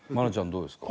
どうですか？